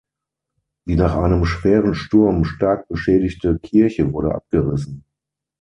Die nach einem schweren Sturm stark beschädigte Kirche wurde abgerissen.